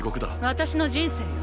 私の人生よ